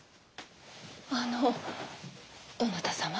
あのどなた様？